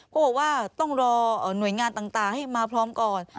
เขาบอกว่าต้องรอหน่วยงานต่างให้มาพร้อมก่อน